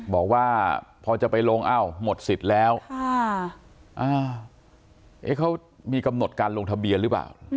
บอกว่าพอจะไปลงอ้าวหมดสิทธิ์แล้วเขามีกำหนดการลงทะเบียนหรือเปล่า